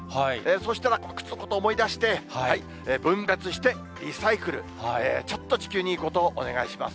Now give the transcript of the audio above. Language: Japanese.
そうしたら靴のこと思い出して、分別してリサイクル、ちょっと地球にいいことお願いします。